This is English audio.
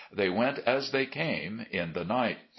They went as they came — ^in the night.